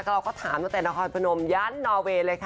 เราก็ถามตั้งแต่นครพนมยันนอเวย์เลยค่ะ